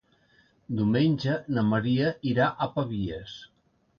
Diumenge na Maria irà a Pavies.